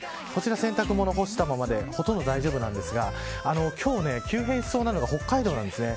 洗濯物干したままでほとんど大丈夫なんですが今日は急変しそうなのが北海道なんですね。